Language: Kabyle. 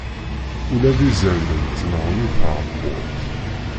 Ula d iẓerman ttnaɣen di tɛebbuḍt.